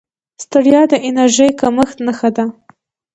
ستړیا د انرژۍ کمښت نښه ده